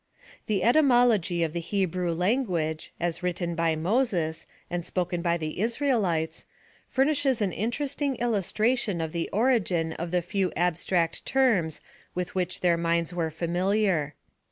The etymology of the Hebrew language, as writ ten by Moses, and spoken by the Isralites, furnishes an interesting illustration of the or 'gin of the few abstract terms with which their minds were familiar.